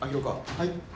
はい。